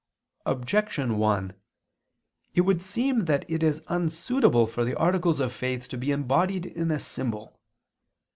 Objection 1: It would seem that it is unsuitable for the articles of faith to be embodied in a symbol.